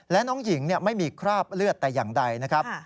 และน้องหญิงไม่มีคราบเลือดแต่อย่างใดนะครับ